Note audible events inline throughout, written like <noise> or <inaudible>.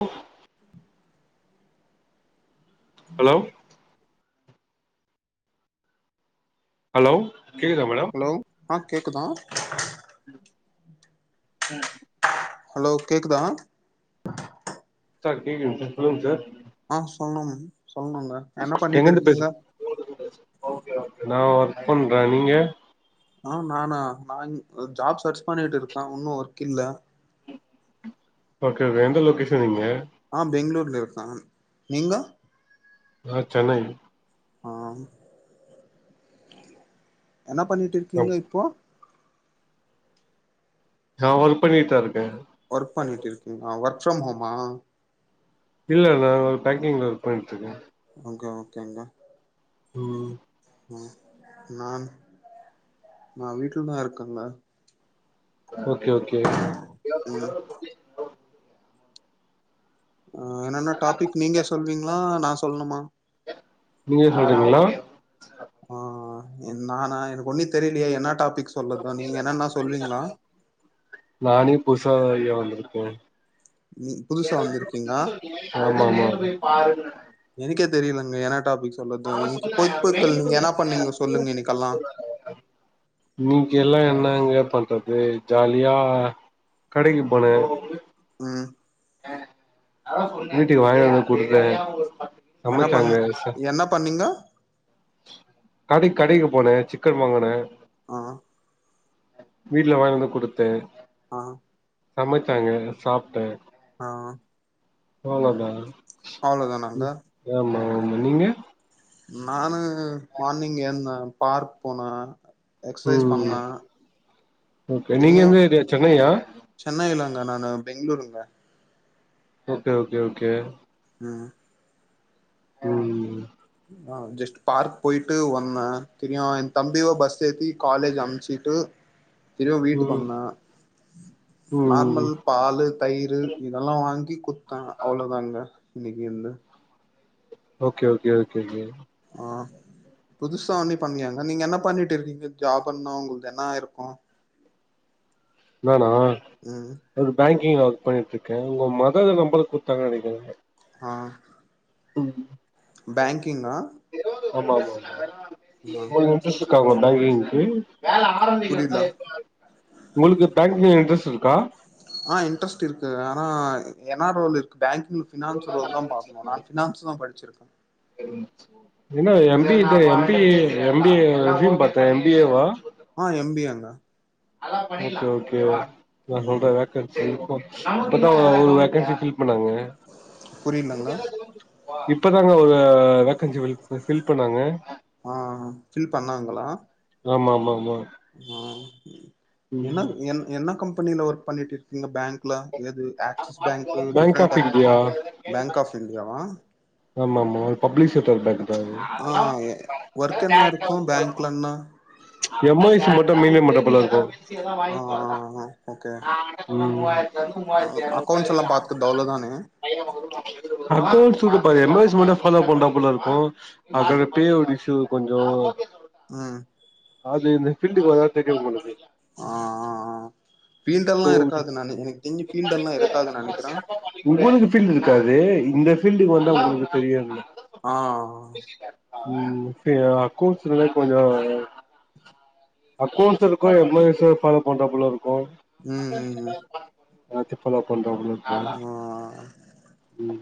அ hello ம் hello கேக்தா madam hello ஆ கேட்குதா அ ஹலோ கேக்குதா சார் கேக்குதுங்க சார் சொல்லுங் சார் ஆ சொன்னோம் எங்கந்து பேசு ஆ பண்ற நீங்க ஆ நானா நா ஜாப் சர்ச் பண்ணிட்டு இருக்கே ஒன்னு ஒர்க் இல்ல ஓகே ஓகே எந்த லொகேஷன் நீங்க ஆ பெங்களூர்ல இரு ஆ நீங்க நா சென்னை ஆ என்ன பண்ணிட்டு இருக்கீங்க இப்போ நா ஒர்க் பண்ணிட்டு தா இருக் ஒர்க் பண்ணிட்டு இருக்கீங்களா ஒர்க் ஆமா இல்ல இல்ல ஒரு பேங்கிங்ல ஒர்க் பண்ணிட்டுருக்கே <unintelligible> ஓகேங்க ம் ம் நான் நா வீட்டுலதா இருக்கேங்க ஓகே ஓகே ம் <unintelligible> அ என்னன்ன டாபிக் நீங்க சொல்வீங்களா நான் சொல்லணுமா நீங்க சொல்றீங்களா ஆ நானா எனக்கு ஒன்னி தெரியலையே என்ன டாபிக் சொல்லது நீங்க என்னன்னா சொல்வீங்களா நானே புசா எடுத்தேன் நீ புதுசா வந்திருக்கீங்க ஆமா ஆமா எனக்கே தெரியலங்க என்ன டாபிக் சொல்லது இன்னைக்கு பொய்பொருட்கள் நீங்க என்ன பண்ணீங்க சொல்லுங்க இன்னைக்கெல்லா இன்னைக்கு எல்லா என்னங்க பண்றது ஜாலியா கடைக்கு போனேன் ம் வீட்டுக்கு வாயேன் குடுக்குறேன் என்ன பண் என்ன பண்ணீங்கோ கடை கடைக்கு போனேன் சிக்கன் வாங்குனேன் ஆ வீட்டுல வாங்கி வந்து குடுத்தேன் ஆ சமைச்சாங்க சாப்ட்டேன் ஆ அவ்ளோ தான் அவ்ளோதானாங்க என்னங்க நான்னு ம் மார்னிங் என்னா பார்க் போனா எக்சைஸ் ம் பண்ணி ஓகே நீங்க செரியும் எந்த ஏரியா சென்னையா சென்னைல அங்க நா நா பெங்களூருங்க ஓகே ஓகே ஓகே ம் ம்ம் ஆ ஜஸ்ட் பார்க் போயிட்டு வந்தேன் திரிபியும் என் தம்பிய பஸ் ஏத்தி காலேஜ் அனுப்ச்சுட்டு திரும்ப வீட்டுக்கு ம் வந்தான் ம் நார்மல் பால் தயிர் இதெல்லாம் வாங்கி குத்தான் அவ்ளோதாங்க எனக்கு எந்த ஓகே ஓகே ஓகே ஓகே புதுசா உண்ணி பண்ணாங்க நீங்க என்ன பண்ணிட்டு இருக்கீங்க ஜாபனா உங்கது என்ன இருக்கு நானா ம் ஒரு பேங்கிங் ஆ பண்ணிட்டு இருக்கே உங்க மதர் தா நம்பர் குடுத்தாங்கனு நெனக்குறே ஆ ம் பேங்கிங்கா ஆமாமா ஆ ஒங்களுக்கு இன்ஸ்ரட்ருக்கா பேங்கிங் உம் <unintelligible> வேல புரில ஆரம்பிக்கான் எப்ப உங்களுக்கு பேங்கிங் ஸ் இருக்கா ஆ இன்ட்ரெஸ்ட் இருக்கு ஆனா என்னா ரோல் இருக்கு பேங்கிங்க ஃபினான்ஸ் ரோல் தா பாக்கணு நா ஃபினான்ஸ் தா படிச்சிருக்கே ஆ <inaudible> ன்ன M B M B M B M B A வா ஆ எம் பி ங்க ஓகே ஓகே நா சொல்றே ம் வேக்கன்ஸி இப்பதா ஒரு வெக்கன்ஸி ஃபில் பண்ணாங்க புரிலங்க இப்பதாங்க ஒரு வேக்கன்சி ஃபில் பண்ணேங்க ஆ ஃபில் ஆம ஆமா ஆமா உம் என்ன ம் என் என்ன கம்ப கம்பனியில ஒர்க் பண்ணிட்டு இருக்கீங்க பேங்க் ல ஏது பேங்க் ஆப் இன்டியா ஆ ஆமா ஆமா ஒரு பப்ளிசிட்டர் பேங்க் தா ஆ எ ஒர்க் என்ன இருக்கும் பேங்க்லனா எம் ஐ சி மட்டும் மெயின்டெய்ன் பண்ற போல இருக்கும் சிலதா ஆ வாங்கிபா அதுதா ஆ ஆ ஓகே <inaudible> பாய் <inaudible> அ அக்கௌண்ட்ஸ் எல்லா பாத்துக்குறது அவ்ளோதானே <unintelligible> எம் ஐ சி மட்டு ஃபாலோ பண்ற மாரி இருக்கும் அப்ப வெப்பயோடிஷு கொஞ்சோ அ அது இந்த ஃபீல்டுக்கு வந்த தெரியு உங்ளுக்கு ஆ ஆ ஆ ஃபீல்டெல்லா பே அவுட் இருக்காது நானி எனக் தெஞ்சி ஃபீல்டெல்லா இருக்காதுன் நெனைக்கிற உங்களுக்கு ஃபீல்டு இருக்காது இந்த பீல்டுக்கு வந்தா உங்ளுக்கு தெரியாதுல்ல ஆ ஆ ஆ அவன் <unintelligible> அக்கவுண்ஸ் ரே கொஞ்சோ அக்கவுண்ஸ் இருக்கும் எம்ளாய்ஸ்ஸ ஃபாலோ பண்றாப்ல இருக்கும் ம் ம் <unintelligible> ராத்திரி ஃபாலோ பண்றாங்களோ உ ஆ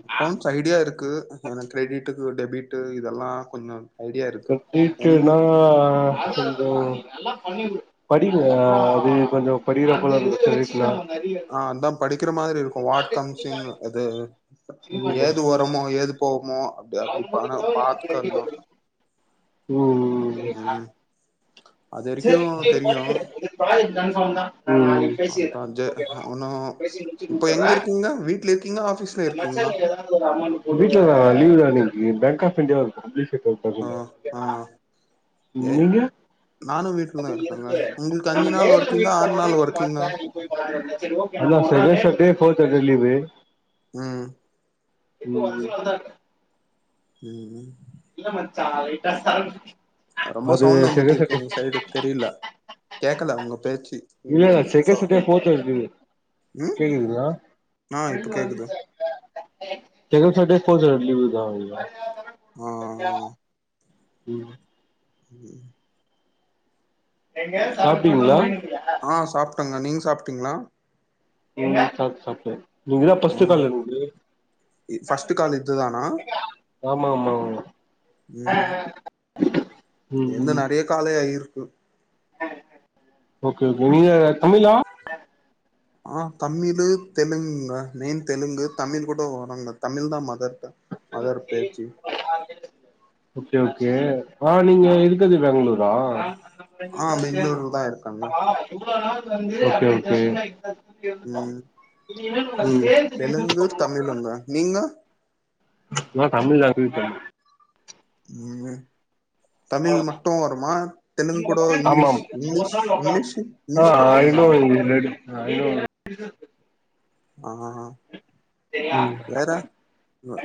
அக்கவுண்ட்ஸ் ஐடியா இருக்கு ஏனா கிரெடிட்டுக்கு டெபிட்டு இதெல்லா கொஞ்சோ ஐடியா இருக்கு எம் பி கத்திகேனா கொஞ்சோ படிக்கனு அது கொஞ்சோ படிக்கிற போல இருந்துச்சி பிரைவேட்னா ஆ அத்தா படிக்கிற மாரி இருக்கும் வாட் கம்ஸிங் அது ம் ஏது வருமோ ஏது போ மா அப்டியா அப்டி பானா பாத்கர்தா ம் ம் ம் அது வரைக்கு செரி தெரியு இப்ப <unintelligible> கன்ஃபார்ம் தா ஆ ஆ அதா ஜ ஒன்னு இப்போ எங்க இருக்கீங்க வீட்ல இருக்கீங்களா ஆஃபீஸ்ல இருக்கீங்களா வீட்ல லீவு தா இன்னிக் நீ பேங்க்ஆஃப் இண்டியா ஆ ஆ வா ஏ <unintelligible> <unintelligible> நானு வீட்டுலதா இருக்கேங்க உங்களுக்கு அஞ்சு நாள் ஒர்க்கிங்கா ஆறு நாள் ஒர்க்கிங்கா <unintelligible> ம் ம் ம் ம் இல்ல மச்சா லைட்டா சர்க் ரொம்ப சவுண்ட் வந்துட்டு இருக்கு உங்க சைடு தெரியல கேக்கல உங்க பேச்சி இல்ல second Saturday fourth Saturday leave ம் கேக்குதுங்களா ஆ இப்ப கேக்குது <unintelligible> ஆ ஆ ம் ம் சாப்பிடிங்களா ஆ சாப்ட்டங்க நீங் சாப்ட்டீங்களா ஆ சாப் சாப்டே நீங்கதா ஆ பஸ்ட் கால் என்து ஃபர்ஸ்ட் கால் இதுதானா ஆமா ஆமா ஆமா ஆ ஆ எனது நெறைய கால ஆயிரு ம் ஓகே ஓகே நீங்க தமிழா ஆ தமிழ் தெலுங்குங்க நெயன் தெலுங்கு தமிழ் கூட வராங்க தமிழ் தா மதர் டங் மதர் பேச்சி ஓகே ஓகே ஆ நீங்க இருக்குது பேங்ளூரா ஆ <unintelligible> சேர்வோ பெங்களூர்ல தா இருக்காங்க ஆமா எவ்ளோ நாள் ஓகே ஓகே ம் தெலுங்கு தமிழுங்க நீங்க நா தமிழ் லாங்வேஜ் ம் தமிழ் மட்டு வருமா தெலுங்கு கூட ஆமா இங்கிலீஷ் இங்கிலீஷ் ஆமா இங்கிலீஷ் ஆ இங்கிலீஷ் ஐ காமன் நோ தானே இங்கிலீஷ் ரெண்டு ஐ நொவ் இங்கிலிஷ் அ அ ஹ வேற வ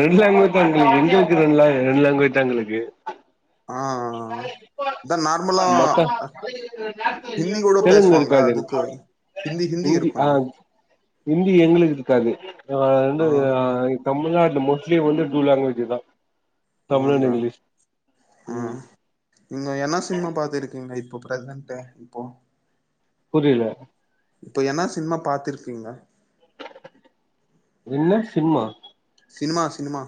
ரெண்டு லாங்குவேஜ் தா எங்களுக்கு எங்களுக்கு ரெண் லா ரெண் லாங்குவேஜ் தா எங்களுக்கு ஆ இதா நார்மலா மொத்த ஹிந்தி கூட பேசுவாங்க தெலங்கிருக்காது அதுக்கு ஹிந்தி ஹிந்தி இந்தி ஆ இருக்குங்க ஹிந்தி எங்களுக் இருக்காது ஆ ரெண்டு <unintelligible> தமிழ்நாட்ல மோஸ்ட்லி வந்து டூ லாங்குவேஜு தா தமிழ் அன்ட் ஆங்க இங்லிஷ் ஆ நீங்க என்ன சினிமா பாத்துருக்கீங்க இப் ப பிரசன்ட்ட இப்போ புரியில இப்ப என்ன சினிமா பாத்திருக்கீங்க? என்ன சிம்மா சினமா சினிமா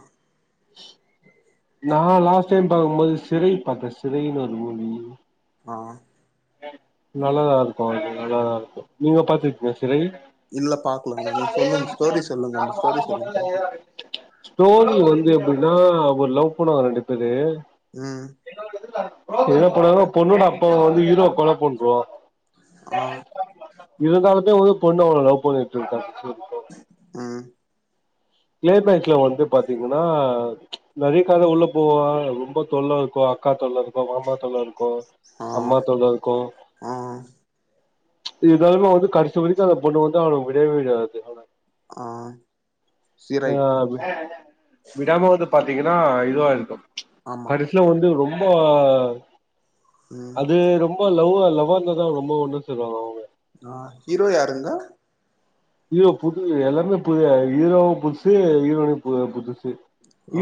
நா லாஸ்ட் டைம் பாக்கும்போது சிறை பாத்தே சிறைனு ஒரு மூவி ஆ நல்லாதா இருக்கு அது நல்லாதா இருக்கு நீங்க பாத்துருக்கீங்க சிறை இல்ல பாக்கலங்க நீங்க சொல்லுங்க ஸ்டோரி சொல்லுங்க அந்த ஸ்டோரி சொல்லுங்க கேப்ப ஸ்டோரி வந்து என் னன்னா ஒரு லவ் பண்ணுவாங்க ரெண்டு பேரு ம் என்ன பண்ணுவாங்கனா பொண்ணோட அப்பாவ வந்து ஹீரோ கொல பண்ருவா ஆ இருந்தாலுமே வந்து பொண்ணு அவன லவ் பண்ணிட்டுருக்கா <unintelligible> ம் க்ளைமேக்ஸ்ல வந்து பாத்தீங்கனா நகைக்காக உள்ள போவா ரொம்ப தொல்ல இருக்கு அக்கா தொல்ல இருக்கு மாமா தொல்ல இருக்கு ஆ அம்மா தொல்ல இருக்கு ஆ இருந்தாலுமே வந்து கடைசி வரைக்கு அந்த பொண்ணு வந்து அவன விடவே விடாது அவன ஆ ஆ சிரை விடாம வந்து பா த்திங்கனா இதுவா இருக்கு ஆமா கடைசில வந்து ரொம் ப ம் அது ரொம்ப லவ்வா லவ்வா இருந்ததா ரொம்ப ஒண்ணு சொல்லுவாங்க அவங்க ஆ ஹீரோ யாருங்கா ஹீரோ புது எல்லாமே புது ஹீரோவும் புதுசு ஹீரோயினி புது புதுசு து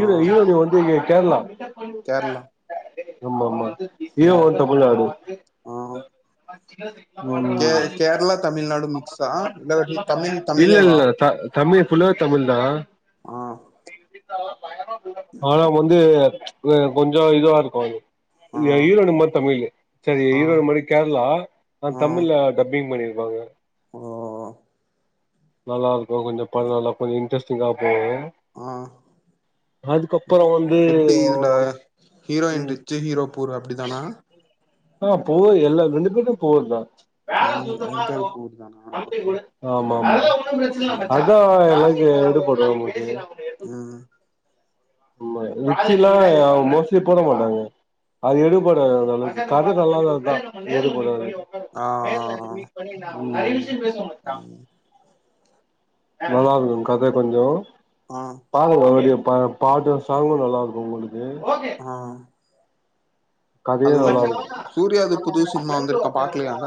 ஆ ஹீரோயினி வந்து இங் கேரளா கேரளா ம் ஆமா ஹீரோ ம் வந்து தமிழ்நாடு ஆ கே கேரளா தமிழ்நாடு மிக்ஸா இல்ல இல்ல இல்ல தா தமிழ் ஃபுல்லாவே தமிழ்தா ஆ இந்தரு பயங்கரமா ஆனா வந்து வே கொஞ்சோ இதுவா இருக்கு ஆ அது ஹீரோயி மட்டு தமிழு சரி ஆ ஹீரோன்யினு மட்டு கேரளா நா தமிழ டப்பிங் பண்ணிரு வாங்க ஓஓஓ நல்லா இருக்கு கொஞ்சோ படல்லா கொஞ்சோ இன்ட்ரெஸ்ட்டிங்கா போவு ஆ அதுக்கப் எப்பிடி இதுல ஹீரோயின் ம் ரிச்சி ஹீரோ புர அப்பிடிதானா ஆ புவரு எல்லா ரெண்டுபேருமே புவருதா ம் ரெண்டு பேரு புவருதானா ஓகே மா மா ம் அதா ட் எடு போடு உனக்கு ம் ம்மா ரிச்சில்லா அவங்க மோஸ்லி போட மாட்டாங்க அது எடுபடாது அந்தலுக்கு கத நல்லாருந்தா எடுபடது ஆ நேர்ல அது மீட்பண்ணி நா <unintelligible> த்து பேசவே மச்சா ஆ நல்லாருக்கு கத கொஞ்சோ ஆ <unintelligible> ப பாட்டு சாங்கு நல்லாருக்கு உங்களு க்கு ஆ அது ஒன்னு சூர்யாது புது சினிமா வந்துருக்கா பாக்லயாங்க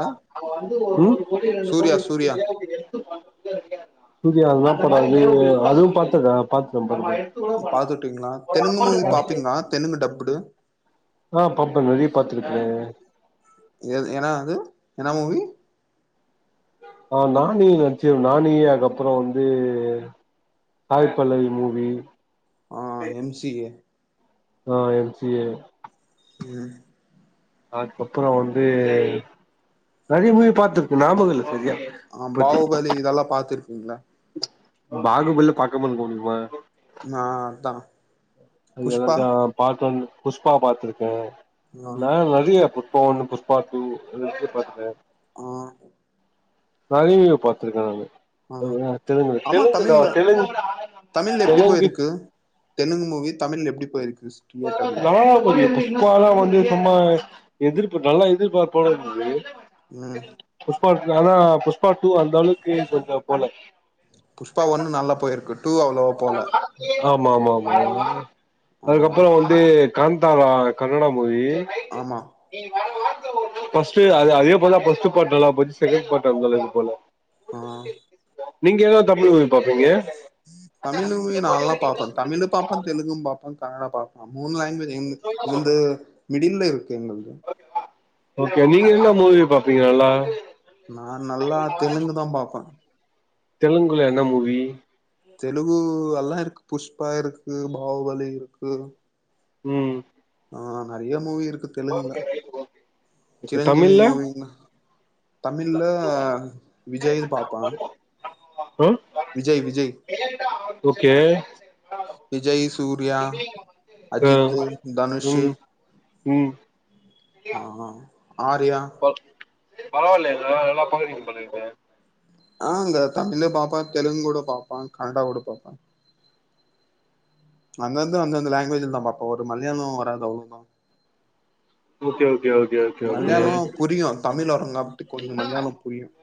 ம் பொண்ணுக்கு ரெண்டு கோழிய குடுத்துட்டு ஏங்குர சூர்யா என்னாப் படொ அது அதுவு பாத்துருக்கே பாத்துட்டே <unintelligible> பாத்துட்டீங்ளா தெலுங்கு மூவி பாப்பீங்ளா தெலுங்கு டப்புடு ஆ பாப்பே நெறைய பாத்துருக்கே எ எனா அது என்ன மூவி ஆ நானி நட்ச்ச நானி அதுக்கப்றோ வந்து சாய் பல்லவி மூவி ஆ எம் சி ஏ ஆ எம் சி ஏ ம் அக்கப்புறோ வந்து நெறைய மூவி பாத்திருக்கு ஞாபகொ இல்ல சரியா ஆ இப்போதைக்கு பாகுபலி இதெல்லா பாத்துருக் கீங்ளா பாகுபலில பாக்காம இருக்க முடிமா நா அதா புஷ்பா அது <unintelligible> புஷ்பா பாத்திருக்கே ஆ ல நறைய பு ஷ்பா ஒன்னு புஷ்பா டூ எல்லாத்தையு பாத்துட்டே ஆ நறைய பாத்திருக்கே நானு ஆ <unintelligible> தெலுங்கு ஆமா தெலுங்குல தமிழ்ல தெலுங் தமிழ்ல எப்டி தெலுங்கி போயிருக்கு தெலுங்கு மூவி தமிழ்ல எப்டி போயிருக்கு தியேட்டர்ல நல்லாதா போது புஷ்பால்லா வந்து சும்மா எதிர்ப்பு நல்லா எதிர்பார்ப்போட இருந்தது ம் பாக்கு ஆனா புஷ்பா டூ அந் <unintelligible> போல புஷ்பா ஒன்னு நல்லா போயிருக்கு டூ அவ்ளோவா போல ஆம் ஆமா ஆமா ஆமா ஆ ஆ அதுக்க வந்து காந்தாரா கன்னடா மூவி நைட்டு ஆமா நீ வா வா <unintelligible> ஃபஸ்ட்டு அதே போல ஃபஸ்ட்டு போட்டாலா போ செகண்ட் போட்ட இருந்து போல ஆ நீங்க ஏதாது தமிழ் மூவி பாப்பீங்க தமிழுமே நா எல்லா பாப்பேன் தமிழும் பாப்பேன் தெலுங்கும் பாப்பேன் கனடா பாப்பன் மூன்னு லாங்குவேஜ் இங் வந்து மிடின் தேவ் பே மெண்ட ஓகே நீங்க என்ன மூவி பாப்பீங்க நல்லா நா நல்லா தெலுங்கு தான் பாப்பன் தெலுங்குல என்ன மூவி தெலுங்கு எல்லா இருக்கு புஷ்பா இருக்கு பாகுபலி இருக்கு ம் ஆ நெறைய மூவி இருக்கு தெலுங்குல இப்ப சிரஞ்சீவி தமிழ்ல மூவி தமிழ்ல விஜய் பாப்பான் ஆ விஜய் விஜய் ஓகே விஜய் சூர்யா ஆ அஜித்து தனுஷ்சு ம் ம் ஆ ஆ ஆர்யா பரவாயில்லயேங்க நல்லா பாக்குறீங்க போல இருக்கு ஆ அங்க தமிழ் பாப்பன் தெலுங்குட பாப்பான் கனடாவோட பாப்பன் அந்தந்து அந்தந்த லாங்குவேஜ்ல தான் பாப்பான் ஒரு மலையாளம் வராது அவ்ளோவா okay okay okay okay okay Malayalam புரியும் தமிழ் வரங்காட்டு கொஞ்சம் மலையாளம் புரியும்